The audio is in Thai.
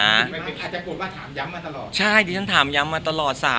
มีใครจะโกรธว่าถามย้ำมาตลอด